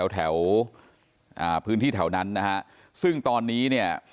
แถวอ่าพื้นที่แถวนั้นนะฮะซึ่งตอนนี้เนี่ย